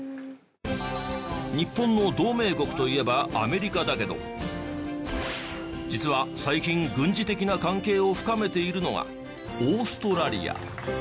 日本の同盟国といえばアメリカだけど実は最近軍事的な関係を深めているのがオーストラリア。